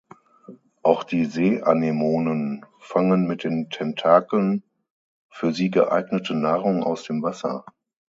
Auch die Seeanemonen fangen mit den Tentakeln für sie geeignete Nahrung aus dem Wasser.